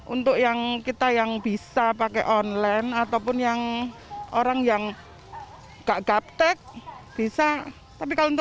untuk yang kita yang bisa pakai online ataupun yang orang yang enggak gaptek bisa tapi kalau untuk